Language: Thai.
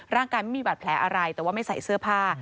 ร่างกายไม่มีบาดแผลอะไรแต่ว่าไม่ใส่เสื้อผ้า